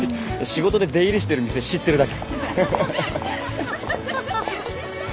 仕事で出入りしてる店知ってるだけ。